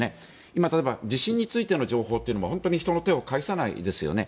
今、例えば地震についての情報というのは本当に人の手を介さないですよね。